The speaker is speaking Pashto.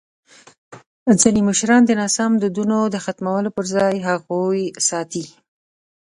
ځینې مشران د ناسم دودونو د ختمولو پر ځای هغوی ساتي.